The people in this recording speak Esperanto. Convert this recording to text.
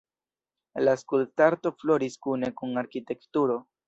La skulptarto floris kune kun arkitekturo.